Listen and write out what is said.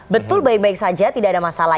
betul baik baik saja tidak ada masalah